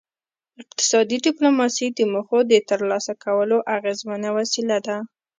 اقتصادي ډیپلوماسي د موخو د ترلاسه کولو اغیزمنه وسیله ده